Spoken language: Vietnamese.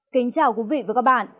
kính chào quý vị và các bạn